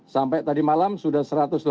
sampai tadi malam sudah satu ratus delapan puluh